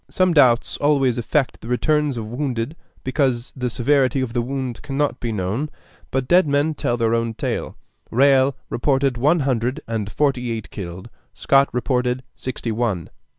Some doubts always affect the returns of wounded, because the severity of the wound cannot be known; but dead men tell their own tale. Riall reported one hundred and forty eight killed; Scott reported sixty one.